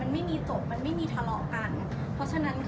ตอนนี้พี่ไม่พร้อม